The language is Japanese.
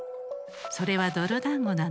それはどろだんごなの。